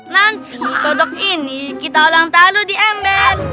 nanti kodok ini kita orang taruh di ember